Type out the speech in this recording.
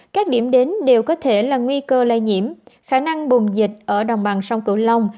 các điểm đến đều có thể là nguy cơ lây nhiễm khả năng bùng dịch ở đồng bằng sông cửu long